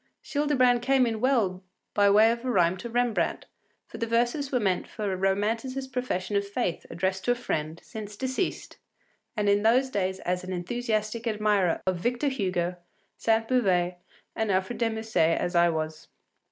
” Childebrand came in well by way of a rime to Rembrandt, for the verses were meant for a Romanticist profession of faith addressed to a friend, since deceased, and in those days as enthusiastic an admirer of Victor Hugo, Sainte Beuve, and Alfred de Musset as I was.